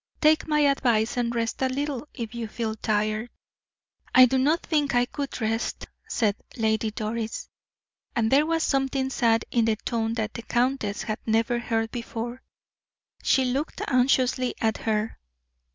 Take my advice, and rest a little if you feel tired." "I do not think I could rest," said Lady Doris. And there was something sad in the tone that the countess had never heard before. She looked anxiously at her.